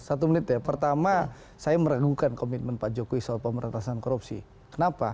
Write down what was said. satu menit ya pertama saya meragukan komitmen pak jokowi soal pemerintahan korupsi kenapa